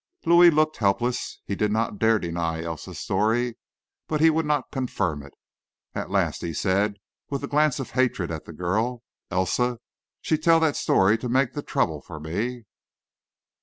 Louis looked helpless. He didn't dare deny Elsa's story, but he would not confirm it. At last he said, with a glance of hatred at the girl, "Elsa, she tell that story to make the trouble for me."